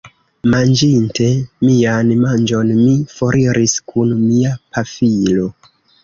Manĝinte mian manĝon, mi foriris kun mia pafilo.